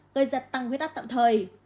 gây ra tăng huyết áp tạm thời